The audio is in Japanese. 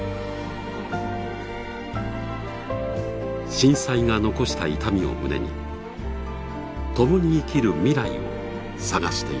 震災が残した痛みを胸に共に生きる未来を探していく。